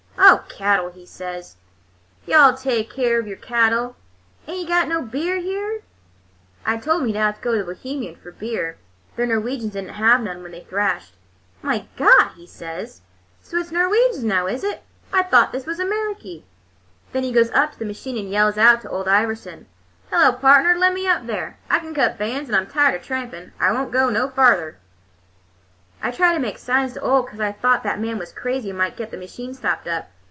"'Oh, cattle,' he says, 'you'll all take care of your cattle! Ain't you got no beer here?' I told him he'd have to go to the Bohemians for beer; the Norwegians did n't have none when they thrashed. 'My God!' he says, 'so it's Norwegians now, is it? I thought this was Americy.' "Then he goes up to the machine and yells out to Ole Iverson, 'Hello, partner, let me up there. I can cut bands, and I'm tired of trampin'. I won't go no farther.' "I tried to make signs to Ole, 'cause I thought that man was crazy and might get the machine stopped up.